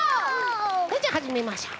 それじゃはじめましょう。